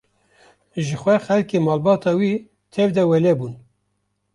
Ji xwe xelkê malbata wî tev de welê bûn.